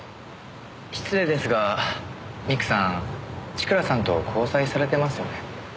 失礼ですが美久さん千倉さんと交際されてますよね？